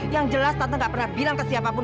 yang jelas tante gak pernah bilang ke siapapun